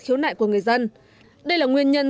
khiếu nại của người dân đây là nguyên nhân